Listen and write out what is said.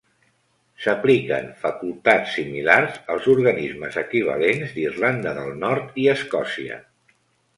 S'apliquen facultats similars als organismes equivalents d'Irlanda del Nord i Escòcia.